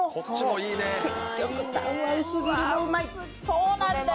そうなんだよ！